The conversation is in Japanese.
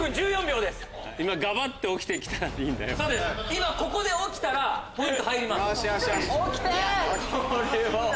今ここで起きたらポイント入ります。